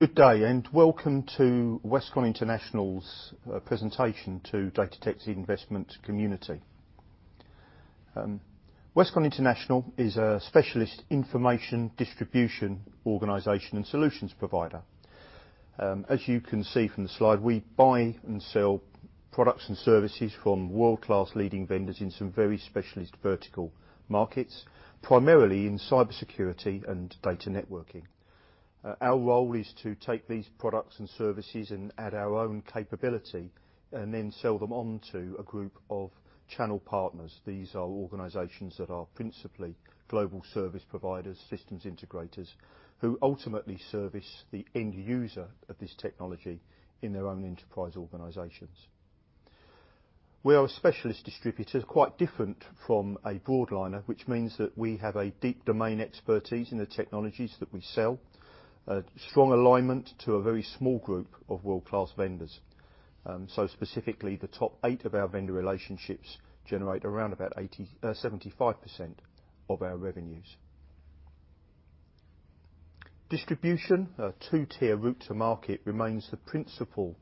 Good day, welcome to Westcon International's presentation to Datatec investment community. Westcon International is a specialist information distribution organization and solutions provider. As you can see from the slide, we buy and sell products and services from world-class leading vendors in some very specialist vertical markets, primarily in cybersecurity and data networking. Our role is to take these products and services and add our own capability, and then sell them on to a group of channel partners. These are organizations that are principally global service providers, systems integrators, who ultimately service the end user of this technology in their own enterprise organizations. We are a specialist distributor, quite different from a broadliner, which means that we have a deep domain expertise in the technologies that we sell, a strong alignment to a very small group of world-class vendors. Specifically, the top eight of our vendor relationships generate around about 75% of our revenues. Distribution, a 2-tier route to market, remains the principal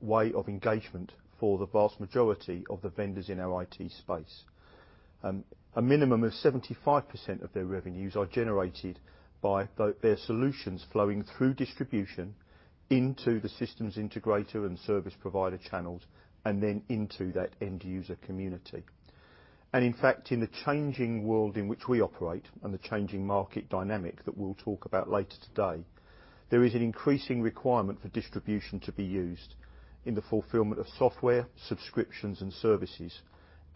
way of engagement for the vast majority of the vendors in our IT space. A minimum of 75% of their revenues are generated by their solutions flowing through distribution into the systems integrator and service provider channels, and then into that end user community. In fact, in the changing world in which we operate, and the changing market dynamic that we'll talk about later today, there is an increasing requirement for distribution to be used in the fulfillment of software, subscriptions, and services.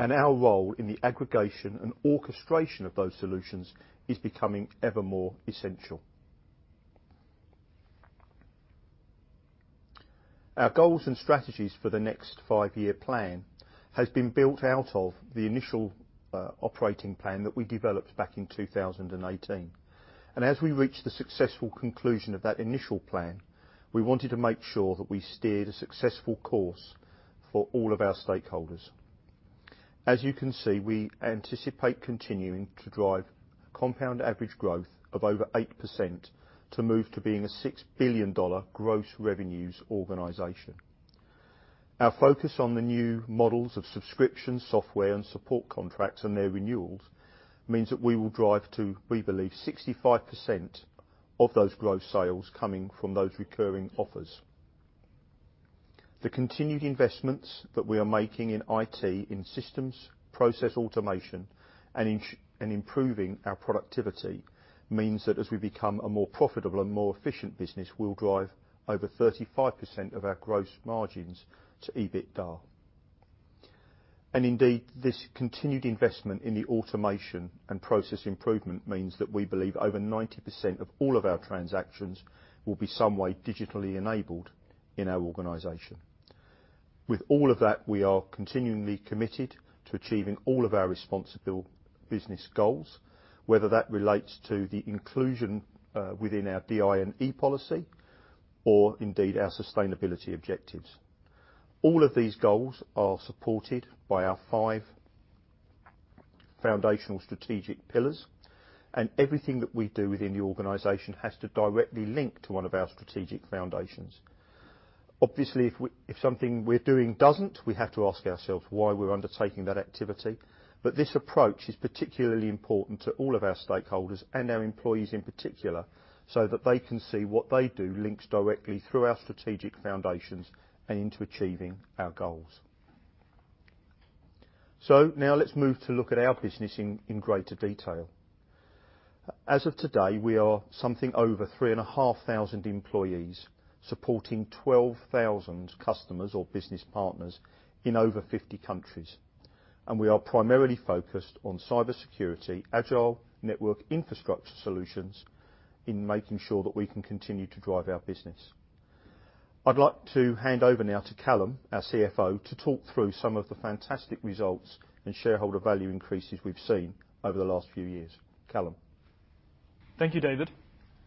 Our role in the aggregation and orchestration of those solutions is becoming ever more essential. Our goals and strategies for the next five-year plan has been built out of the initial operating plan that we developed back in 2018. As we reach the successful conclusion of that initial plan, we wanted to make sure that we steered a successful course for all of our stakeholders. As you can see, we anticipate continuing to drive compound average growth of over 8% to move to being a $6 billion gross revenues organization. Our focus on the new models of subscription, software, and support contracts and their renewals means that we will drive to, we believe, 65% of those gross sales coming from those recurring offers. The continued investments that we are making in IT, in systems, process automation, and improving our productivity means that as we become a more profitable and more efficient business, we'll drive over 35% of our gross margins to EBITDA. Indeed, this continued investment in the automation and process improvement means that we believe over 90% of all of our transactions will be some way digitally enabled in our organization. With all of that, we are continually committed to achieving all of our responsible business goals, whether that relates to the inclusion within our DE&I policy, or indeed, our sustainability objectives. All of these goals are supported by our five foundational strategic pillars, and everything that we do within the organization has to directly link to one of our strategic foundations. If something we're doing doesn't, we have to ask ourselves why we're undertaking that activity. This approach is particularly important to all of our stakeholders, and our employees in particular, so that they can see what they do links directly through our strategic foundations and into achieving our goals. Now let's move to look at our business in greater detail. As of today, we are something over 3,500 employees supporting 12,000 customers or business partners in over 50 countries. We are primarily focused on cybersecurity, agile network infrastructure solutions in making sure that we can continue to drive our business. I'd like to hand over now to Callum, our CFO, to talk through some of the fantastic results and shareholder value increases we've seen over the last few years. Callum? Thank you, David.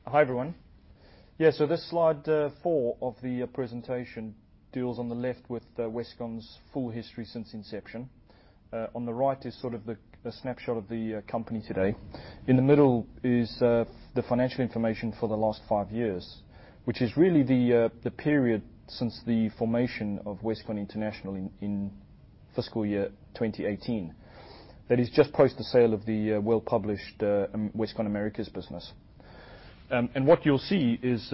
Hi, everyone. This slide four of the presentation deals on the left with Westcon's full history since inception. On the right is a snapshot of the company today. In the middle is the financial information for the last five years, which is really the period since the formation of Westcon International in FY 2018. That is just post the sale of the well-published Westcon Americas business. What you'll see is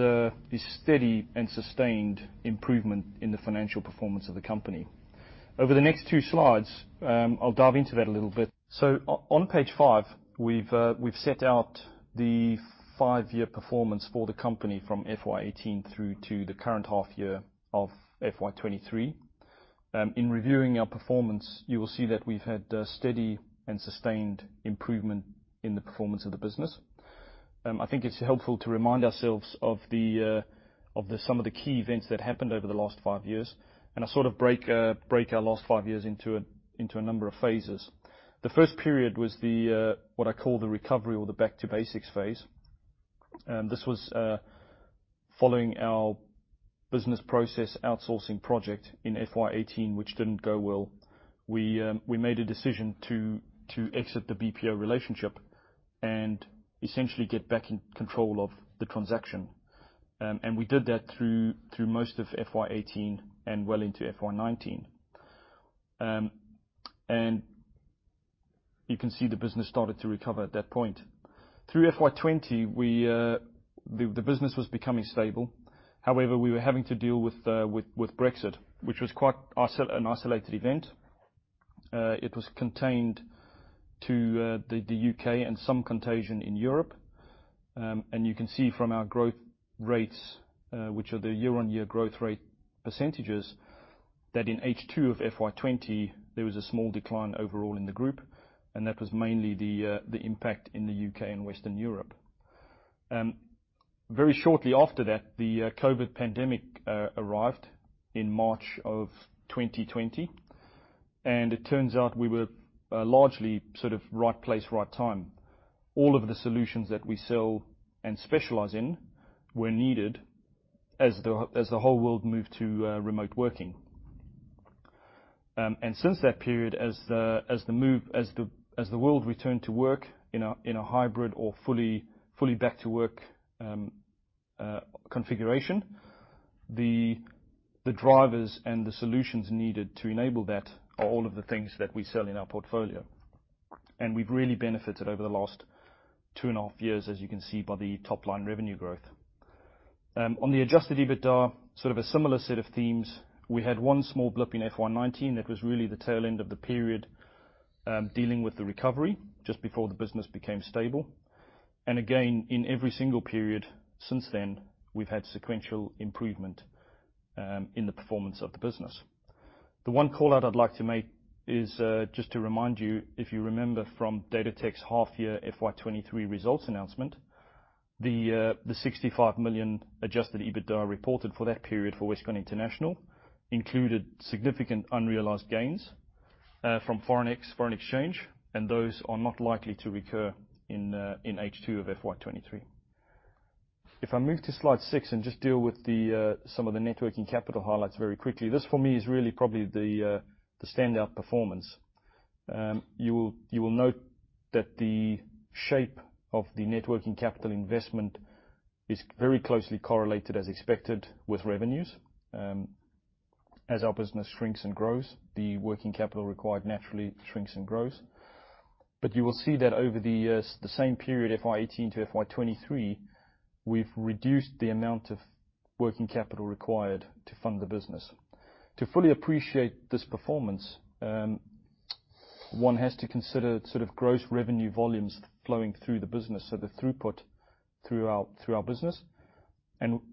steady and sustained improvement in the financial performance of the company. Over the next two slides, I'll dive into that a little bit. On page five, we've set out the 5-year performance for the company from FY 2018 through to the current half year of FY 2023. In reviewing our performance, you will see that we've had steady and sustained improvement in the performance of the business. I think it's helpful to remind ourselves of the some of the key events that happened over the last five years, and I sort of break our last five years into a number of phases. The first period was what I call the recovery or the back to basics phase. This was following our Business Process Outsourcing project in FY 2018, which didn't go well. We made a decision to exit the BPO relationship and essentially get back in control of the transaction. We did that through most of FY 2018 and well into FY 2019. You can see the business started to recover at that point. Through FY 2020, we the business was becoming stable. We were having to deal with Brexit, which was quite an isolated event. It was contained to the U.K. and some contagion in Europe. You can see from our growth rates, which are the year-on-year growth rate percentages, that in H2 of FY 2020, there was a small decline overall in the group, and that was mainly the impact in the U.K. and Western Europe. Very shortly after that, the COVID pandemic arrived in March of 2020, and it turns out we were largely sort of right place, right time. All of the solutions that we sell and specialize in were needed as the whole world moved to remote working. Since that period, as the world returned to work in a hybrid or fully back to work, configuration, the drivers and the solutions needed to enable that are all of the things that we sell in our portfolio. We've really benefited over the last 2.5 years, as you can see by the top-line revenue growth. On the adjusted EBITDA, sort of a similar set of themes. We had one small blip in FY 2019 that was really the tail end of the period, dealing with the recovery just before the business became stable. Again, in every single period since then, we've had sequential improvement in the performance of the business. The one call-out I'd like to make is, just to remind you, if you remember from Datatec's half year FY 2023 results announcement, the $65 million adjusted EBITDA reported for that period for Westcon International included significant unrealized gains from foreign exchange, and those are not likely to recur in H2 of FY 2023. If I move to slide six and just deal with some of the net working capital highlights very quickly. This for me is really probably the standout performance. You will note that the shape of the net working capital investment is very closely correlated, as expected, with revenues. As our business shrinks and grows, the working capital required naturally shrinks and grows. You will see that over the years, the same period, FY 2018-FY 2023, we've reduced the amount of working capital required to fund the business. To fully appreciate this performance, one has to consider sort of gross revenue volumes flowing through the business, so the throughput through our, through our business.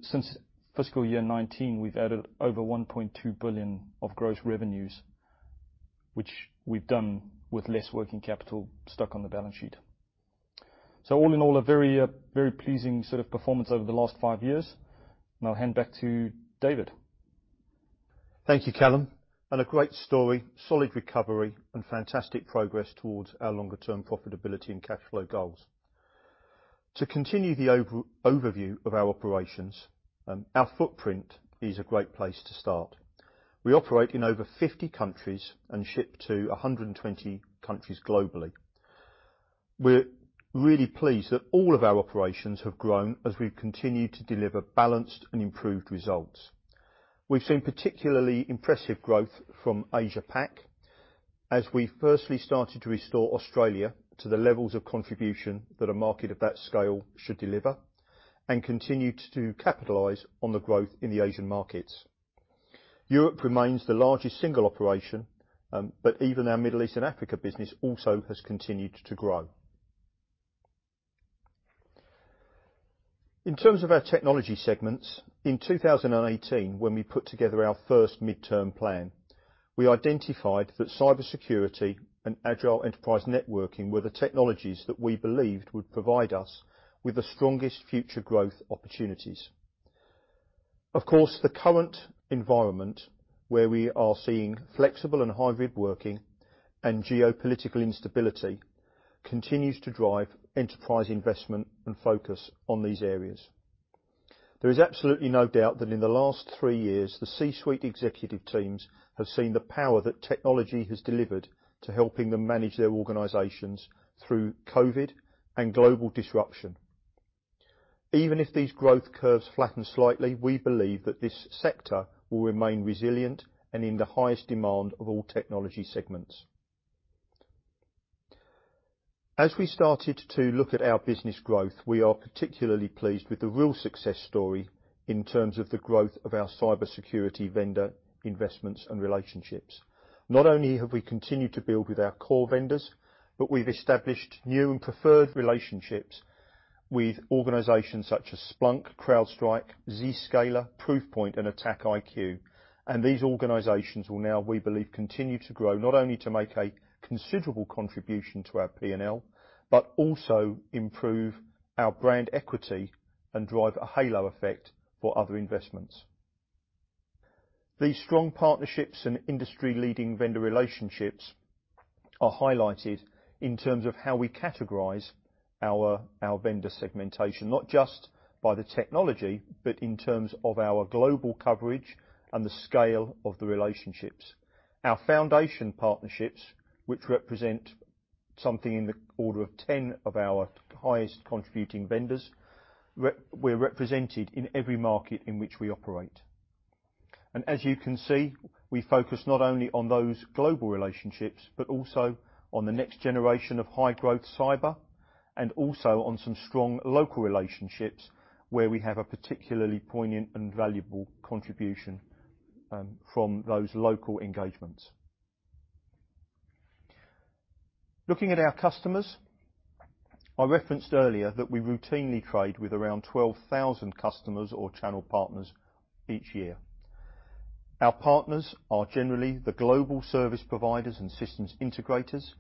Since fiscal year 2019, we've added over $1.2 billion of gross revenues, which we've done with less working capital stuck on the balance sheet. All in all, a very, very pleasing sort of performance over the last five years. I'll hand back to David. Thank you, Callum. A great story, solid recovery, and fantastic progress towards our longer-term profitability and cash flow goals. To continue the overview of our operations, our footprint is a great place to start. We operate in over 50 countries and ship to 120 countries globally. We're really pleased that all of our operations have grown as we've continued to deliver balanced and improved results. We've seen particularly impressive growth from Asia Pac as we firstly started to restore Australia to the levels of contribution that a market of that scale should deliver and continue to capitalize on the growth in the Asian markets. Europe remains the largest single operation, but even our Middle East and Africa business also has continued to grow. In terms of our technology segments, in 2018, when we put together our first midterm plan, we identified that cybersecurity and agile enterprise networking were the technologies that we believed would provide us with the strongest future growth opportunities. Of course, the current environment where we are seeing flexible and hybrid working and geopolitical instability continues to drive enterprise investment and focus on these areas. There is absolutely no doubt that in the last three years, the C-suite executive teams have seen the power that technology has delivered to helping them manage their organizations through COVID and global disruption. Even if these growth curves flatten slightly, we believe that this sector will remain resilient and in the highest demand of all technology segments. As we started to look at our business growth, we are particularly pleased with the real success story in terms of the growth of our cybersecurity vendor investments and relationships. Not only have we continued to build with our core vendors, but we've established new and preferred relationships with organizations such as Splunk, CrowdStrike, Zscaler, Proofpoint, and AttackIQ. These organizations will now, we believe, continue to grow, not only to make a considerable contribution to our P&L, but also improve our brand equity and drive a halo effect for other investments. These strong partnerships and industry-leading vendor relationships are highlighted in terms of how we categorize our vendor segmentation, not just by the technology, but in terms of our global coverage and the scale of the relationships. Our foundation partnerships, which represent something in the order of 10 of our highest contributing vendors, we're represented in every market in which we operate. As you can see, we focus not only on those global relationships but also on the next generation of high-growth cyber and also on some strong local relationships where we have a particularly poignant and valuable contribution from those local engagements. Looking at our customers, I referenced earlier that we routinely trade with around 12,000 customers or channel partners each year. Our partners are generally the global service providers and systems integrators,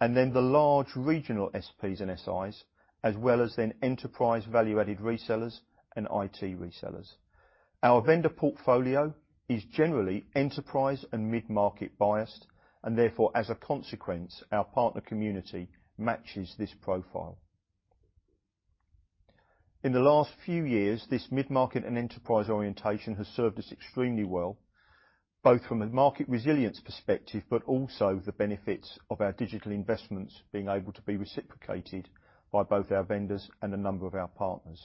and then the large regional SPs and SIs, as well as then enterprise value-added resellers and IT resellers. Our vendor portfolio is generally enterprise and mid-market biased and therefore, as a consequence, our partner community matches this profile. In the last few years, this mid-market and enterprise orientation has served us extremely well, both from a market resilience perspective, but also the benefits of our digital investments being able to be reciprocated by both our vendors and a number of our partners.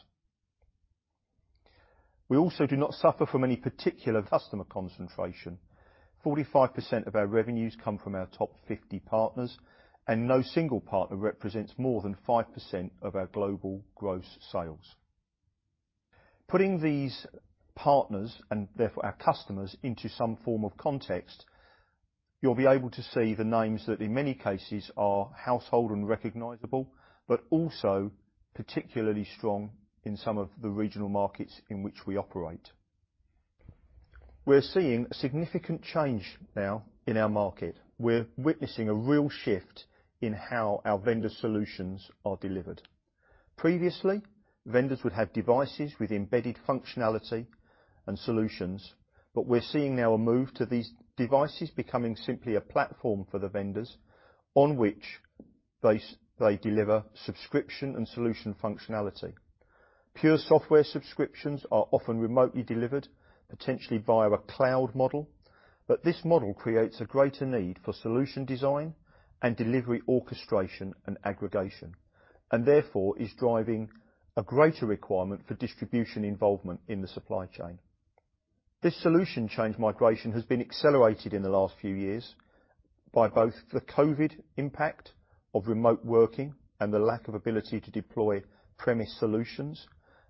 We also do not suffer from any particular customer concentration. 45% of our revenues come from our top 50 partners, and no single partner represents more than 5% of our global gross sales. Putting these partners, and therefore our customers, into some form of context, you'll be able to see the names that in many cases are household and recognizable, but also particularly strong in some of the regional markets in which we operate. We're seeing significant change now in our market. We're witnessing a real shift in how our vendor solutions are delivered. Previously, vendors would have devices with embedded functionality and solutions, but we're seeing now a move to these devices becoming simply a platform for the vendors on which they deliver subscription and solution functionality. Pure software subscriptions are often remotely delivered, potentially via a cloud model, but this model creates a greater need for solution design and delivery orchestration and aggregation, and therefore is driving a greater requirement for distribution involvement in the supply chain. This solution change migration has been accelerated in the last few years by both the COVID impact of remote working and the lack of ability to deploy premise solutions,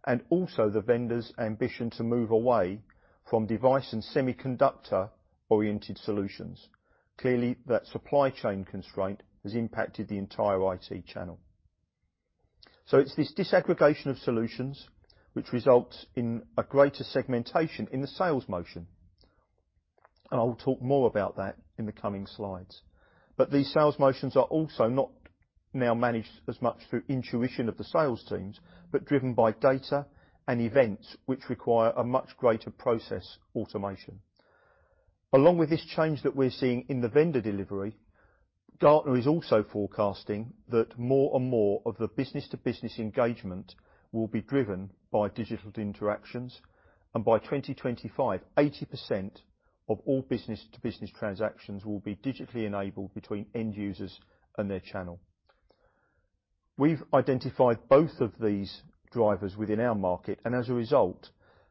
and also the vendors' ambition to move away from device and semiconductor-oriented solutions. Clearly, that supply chain constraint has impacted the entire IT channel. It's this disaggregation of solutions which results in a greater segmentation in the sales motion. I will talk more about that in the coming slides. These sales motions are also not now managed as much through intuition of the sales teams, but driven by data and events which require a much greater process automation. Along with this change that we're seeing in the vendor delivery, Gartner is also forecasting that more and more of the business-to-business engagement will be driven by digital interactions, and by 2025, 80% of all business-to-business transactions will be digitally enabled between end users and their channel. We've identified both of these drivers within our market and as a result,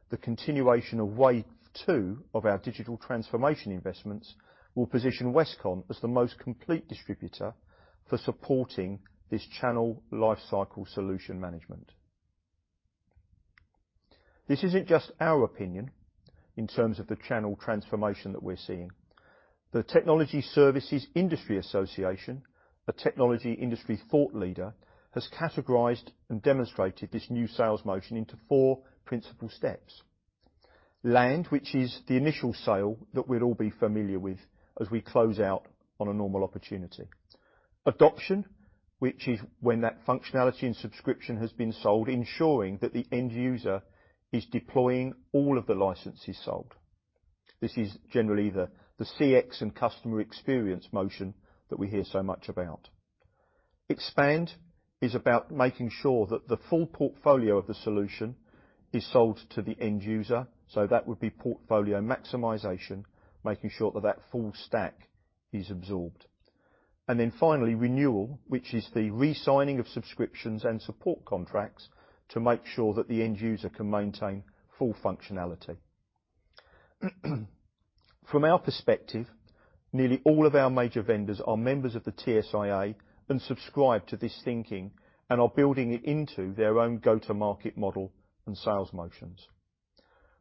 the continuation of wave 2 of our digital transformation investments will position Westcon as the most complete distributor for supporting this channel life cycle solution management. This isn't just our opinion in terms of the channel transformation that we're seeing. The Technology & Services Industry Association, a technology industry thought leader, has categorized and demonstrated this new sales motion into four principal steps. Land, which is the initial sale that we'd all be familiar with as we close out on a normal opportunity. Adoption, which is when that functionality and subscription has been sold, ensuring that the end user is deploying all of the licenses sold. This is generally the CX and customer experience motion that we hear so much about. Expand is about making sure that the full portfolio of the solution is sold to the end user, so that would be portfolio maximization, making sure that that full stack is absorbed. Finally, Renewal, which is the re-signing of subscriptions and support contracts to make sure that the end user can maintain full functionality. From our perspective, nearly all of our major vendors are members of the TSIA and subscribe to this thinking and are building it into their own go-to-market model and sales motions.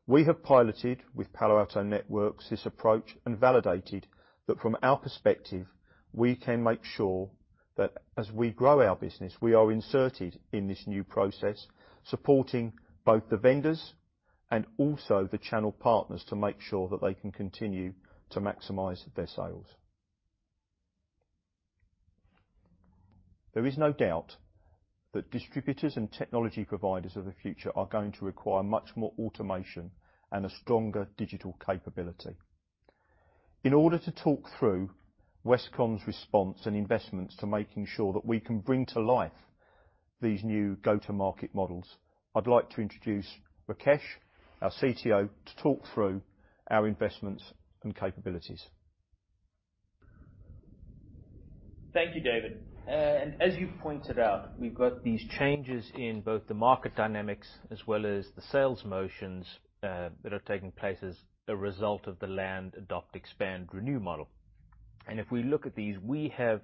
We have piloted with Palo Alto Networks this approach and validated that from our perspective, we can make sure that as we grow our business, we are inserted in this new process, supporting both the vendors and also the channel partners to make sure that they can continue to maximize their sales. There is no doubt that distributors and technology providers of the future are going to require much more automation and a stronger digital capability. In order to talk through Westcon's response and investments to making sure that we can bring to life these new go-to-market models, I'd like to introduce Rakesh, our CTO, to talk through our investments and capabilities. Thank you, David. As you pointed out, we've got these changes in both the market dynamics as well as the sales motions that are taking place as a result of the land, adopt, expand, renew model. If we look at these, we have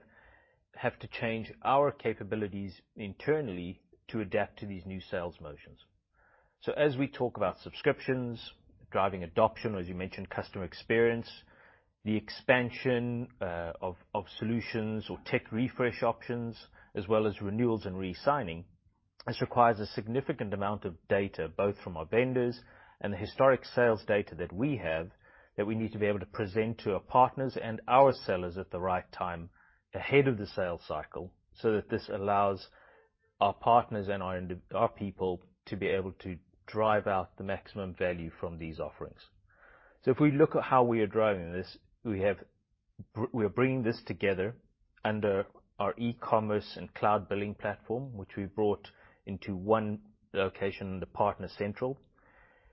to change our capabilities internally to adapt to these new sales motions. As we talk about subscriptions, driving adoption, as you mentioned, customer experience, the expansion of solutions or tech refresh options, as well as renewals and re-signing, this requires a significant amount of data, both from our vendors and the historic sales data that we have, that we need to be able to present to our partners and our people to be able to drive out the maximum value from these offerings. If we look at how we are driving this, we are bringing this together under our e-commerce and cloud billing platform, which we brought into one location, the PartnerCentral.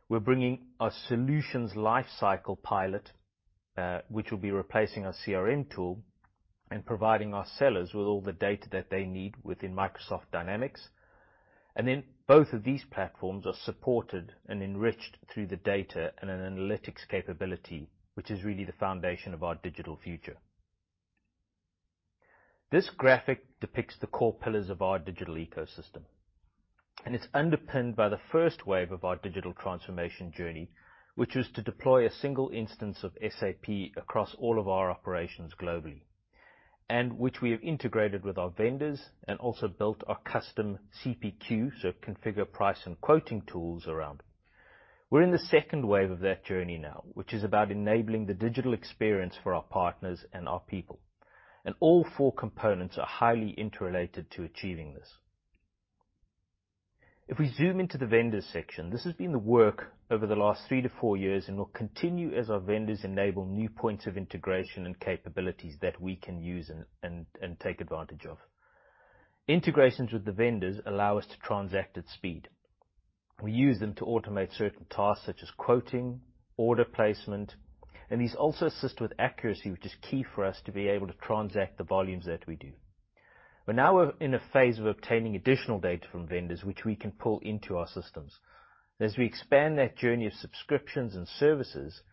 We're bringing our solutions lifecycle platform, which will be replacing our CRM and providing our sellers with all the data that they need within Microsoft Dynamics. Both of these platforms are supported and enriched through the data and an analytics capability, which is really the foundation of our digital future. This graphic depicts the core pillars of our digital ecosystem. It's underpinned by the first wave of our digital transformation journey, which was to deploy a single instance of SAP across all of our operations globally, which we have integrated with our vendors and also built our custom CPQ, so configure price and quoting tools around it. We're in the second wave of that journey now, which is about enabling the digital experience for our partners and our people. All four components are highly interrelated to achieving this. If we zoom into the vendors section, this has been the work over the last three to four years and will continue as our vendors enable new points of integration and capabilities that we can use and, and take advantage of. Integrations with the vendors allow us to transact at speed. We use them to automate certain tasks such as quoting, order placement, and these also assist with accuracy, which is key for us to be able to transact the volumes that we do. Now we're in a phase of obtaining additional data from vendors which we can pull into our systems. As we expand that journey of subscriptions and services,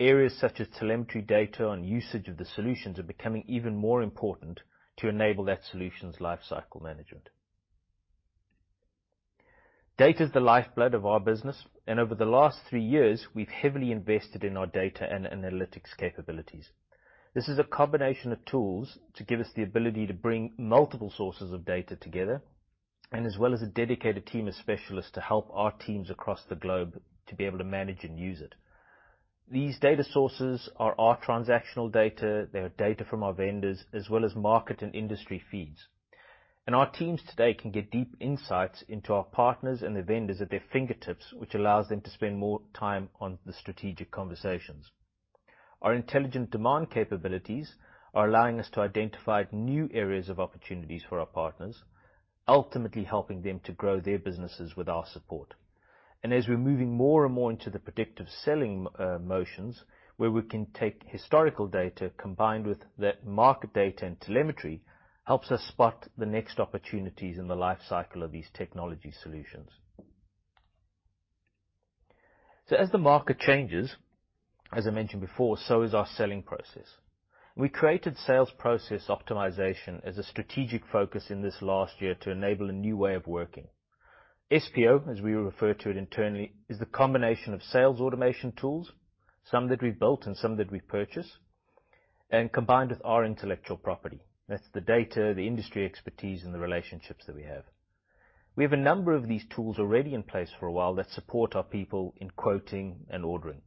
areas such as telemetry data and usage of the solutions are becoming even more important to enable that solutions lifecycle management. Data is the lifeblood of our business, and over the last three years, we've heavily invested in our data and analytics capabilities. This is a combination of tools to give us the ability to bring multiple sources of data together and as well as a dedicated team of specialists to help our teams across the globe to be able to manage and use it. These data sources are our transactional data, they are data from our vendors, as well as market and industry feeds. Our teams today can get deep insights into our partners and the vendors at their fingertips, which allows them to spend more time on the strategic conversations. Our intelligent demand capabilities are allowing us to identify new areas of opportunities for our partners, ultimately helping them to grow their businesses with our support. As we're moving more and more into the predictive selling motions, where we can take historical data combined with the market data and telemetry, helps us spot the next opportunities in the lifecycle of these technology solutions. As the market changes, as I mentioned before, so is our selling process. We created Sales Process Optimization as a strategic focus in this last year to enable a new way of working. SPO, as we refer to it internally, is the combination of sales automation tools, some that we've built and some that we've purchased, and combined with our intellectual property. That's the data, the industry expertise, and the relationships that we have. We have a number of these tools already in place for a while that support our people in quoting and ordering.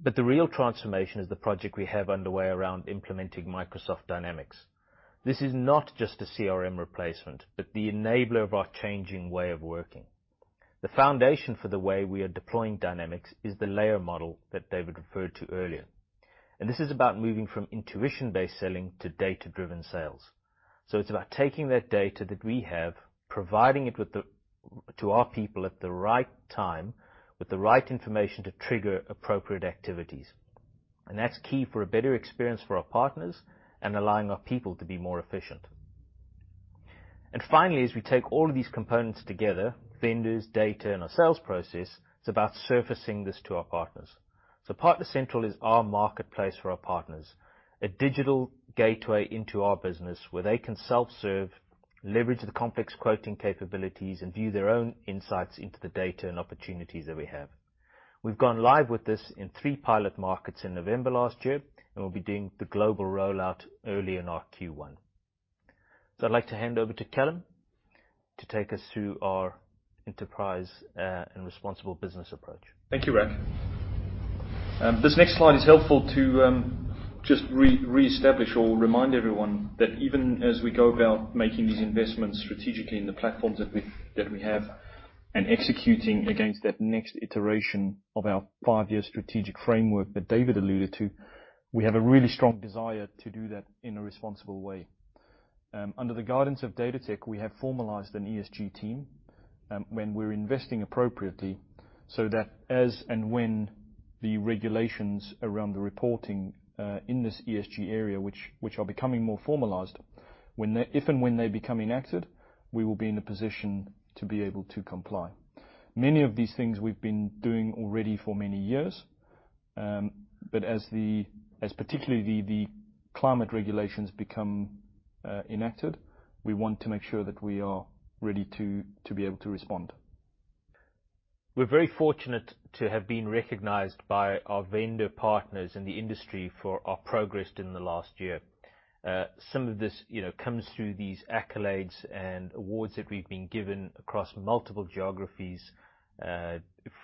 The real transformation is the project we have underway around implementing Microsoft Dynamics. This is not just a CRM replacement, but the enabler of our changing way of working. The foundation for the way we are deploying Dynamics is the layer model that David referred to earlier. This is about moving from intuition-based selling to data-driven sales. It's about taking that data that we have, providing it to our people at the right time with the right information to trigger appropriate activities. That's key for a better experience for our partners and allowing our people to be more efficient. Finally, as we take all of these components together, vendors, data, and our sales process, it's about surfacing this to our partners. PartnerCentral is our marketplace for our partners, a digital gateway into our business where they can self-serve, leverage the complex quoting capabilities, and view their own insights into the data and opportunities that we have. We've gone live with this in three pilot markets in November last year, and we'll be doing the global rollout early in our Q1. I'd like to hand over to Callum to take us through our enterprise and responsible business approach. Thank you, Rak. This next slide is helpful to just reestablish or remind everyone that even as we go about making these investments strategically in the platforms that we, that we have, and executing against that next iteration of our five-year strategic framework that David alluded to, we have a really strong desire to do that in a responsible way. Under the guidance of Datatec, we have formalized an ESG team, when we're investing appropriately, so that as and when the regulations around the reporting in this ESG area, which are becoming more formalized, If and when they become enacted, we will be in a position to be able to comply. Many of these things we've been doing already for many years, but as particularly the climate regulations become enacted, we want to make sure that we are ready to be able to respond. We're very fortunate to have been recognized by our vendor partners in the industry for our progress during the last year. Some of this, you know, comes through these accolades and awards that we've been given across multiple geographies,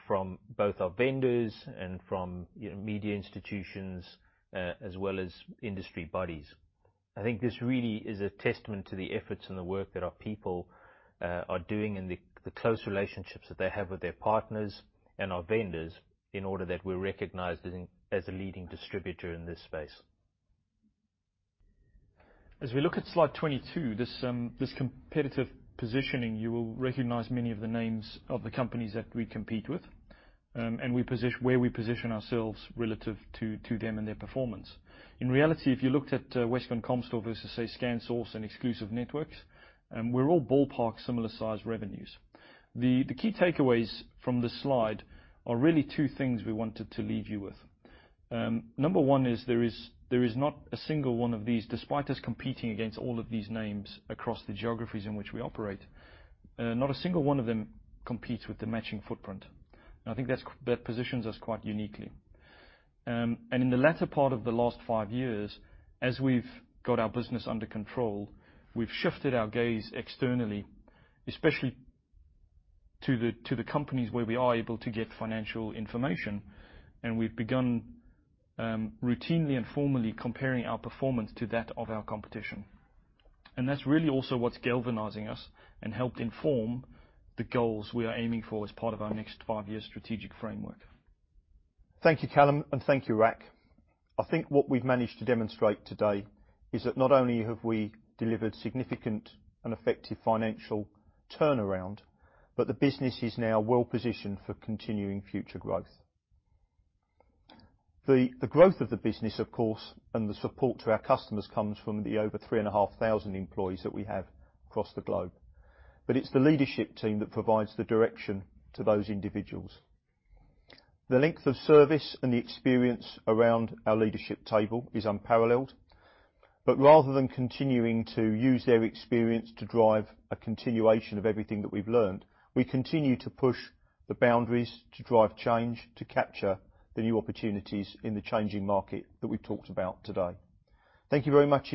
from both our vendors and from, you know, media institutions, as well as industry bodies. I think this really is a testament to the efforts and the work that our people are doing, and the close relationships that they have with their partners and our vendors in order that we're recognized as a leading distributor in this space. As we look at slide 22, this competitive positioning, you will recognize many of the names of the companies that we compete with, and we position ourselves relative to them and their performance. In reality, if you looked at Westcon Comstor versus, say, ScanSource and Exclusive Networks, we're all ballpark similar-sized revenues. The key takeaways from this slide are really two things we wanted to leave you with. Number 1 is there is not a single one of these, despite us competing against all of these names across the geographies in which we operate, not a single one of them competes with the matching footprint. I think that positions us quite uniquely. In the latter part of the last five years, as we've got our business under control, we've shifted our gaze externally, especially to the companies where we are able to get financial information, and we've begun routinely and formally comparing our performance to that of our competition. That's really also what's galvanizing us and helped inform the goals we are aiming for as part of our next five-year strategic framework. Thank you, Callum, and thank you, Rak. I think what we've managed to demonstrate today is that not only have we delivered significant and effective financial turnaround, but the business is now well-positioned for continuing future growth. The growth of the business, of course, and the support to our customers, comes from the over 3,500 employees that we have across the globe. It's the leadership team that provides the direction to those individuals. The length of service and the experience around our leadership table is unparalleled. Rather than continuing to use their experience to drive a continuation of everything that we've learned, we continue to push the boundaries to drive change, to capture the new opportunities in the changing market that we've talked about today. Thank you very much.